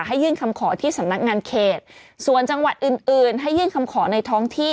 ยื่นคำขอที่สำนักงานเขตส่วนจังหวัดอื่นอื่นให้ยื่นคำขอในท้องที่